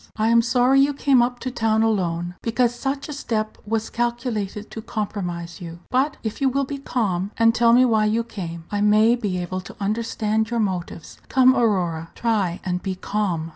I am sorry you came up to town alone, because such a step was calculated to compromise you; but if you will be calm, and tell me why you came, I may be able to understand your motives. Come, Aurora, try and be calm."